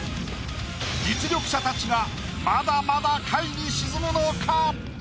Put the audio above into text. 実力者たちがまだまだ下位に沈むのか？